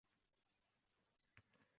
hech kimga